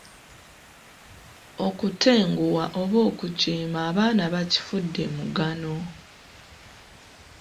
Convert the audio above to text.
Okutenguwa oba okujeema abaana bakifudde mugano.